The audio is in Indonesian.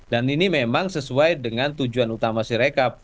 dan ini memang sesuai dengan tujuan utama sirekap